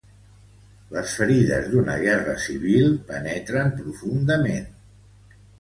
Les ferides d'una guerra civil penetren profundament.